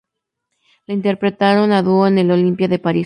La interpretaron a dúo en el Olympia de París.